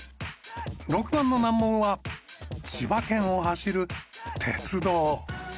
６番の難問は千葉県を走る鉄道。